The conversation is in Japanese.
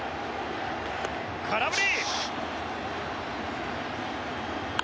空振り。